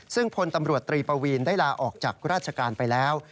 ซึ่งพลตำรวจตรีปวีนได้ลาออกจากราชการไปแล้ว